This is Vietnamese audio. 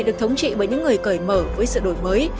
được thống trị bởi những người cởi mở với sự đổi mới